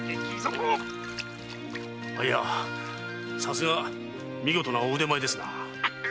いやさすが見事なお腕前ですな。